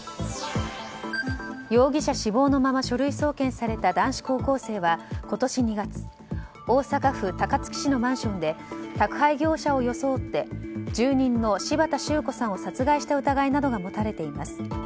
容疑者死亡のまま書類送検された男子高校生は今年２月大阪府高槻市のマンションで宅配業者を装って住人の柴田周子さんを殺害した疑いなどが持たれています。